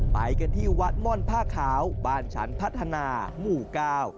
ไปกันที่วัดม่อนผ้าขาวบ้านฉันพัฒนาหมู่เก้า